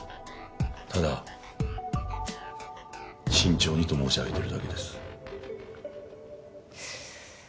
ただ慎重にと申し上げてるだけです。